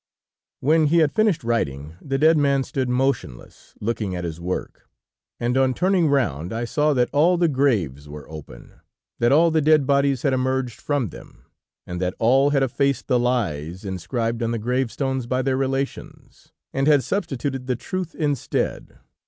_' "When he had finished writing, the dead man stood motionless, looking at his work, and on turning round I saw that all the graves were open, that all the dead bodies had emerged from them, and that all had effaced the lies inscribed on the gravestones by their relations, and had substituted the truth instead.